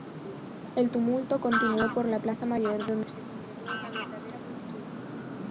El tumulto continuó por la Plaza Mayor, donde se congregó una verdadera multitud.